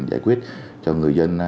để giải quyết cho người dân